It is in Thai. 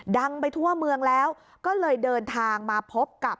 ดังไปทั่วเมืองแล้วก็เลยเดินทางมาพบกับ